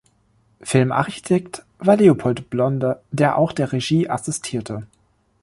Filmarchitekt war Leopold Blonder, der auch der Regie assistierte.